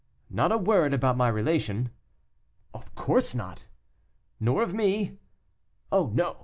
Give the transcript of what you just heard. "Not a word about my relation." "Of course not." "Nor of me." "Oh, no!